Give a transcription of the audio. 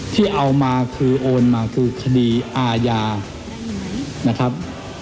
ที่เอามาคือโอนมาคือคดีอาญานะครับ